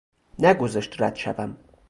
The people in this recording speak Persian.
نگذاشت رد شوم